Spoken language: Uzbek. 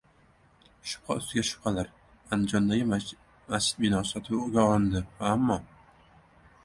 Shubha ustiga shubhalar. Andijondagi masjid binosi sotuvdan olindi, ammo...